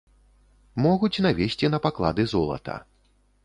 Могуць навесці на паклады золата.